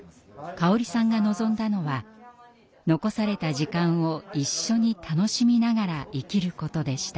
香織さんが望んだのは残された時間を一緒に楽しみながら生きることでした。